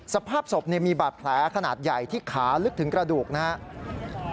สภาพศพมีบาดแผลขนาดใหญ่ที่ขาลึกถึงกระดูกนะครับ